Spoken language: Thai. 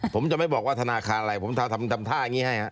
ผมจะไม่บอกว่าธนาคารอะไรผมทำท่าอย่างนี้ให้ครับ